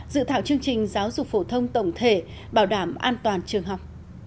dự thảo chương trình giáo dục phổ thông tổng thể bảo đảm an toàn trường học